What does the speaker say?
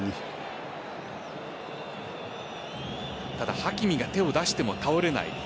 ただ、ハキミが手を出しても倒れない。